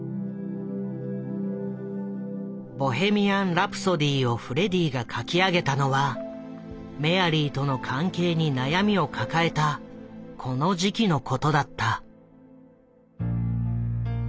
「ボヘミアン・ラプソディ」をフレディが書き上げたのはメアリーとの関係に悩みを抱えたこの時期のことだった。